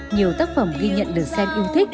nhiều tác phẩm ghi nhận được xem yêu thích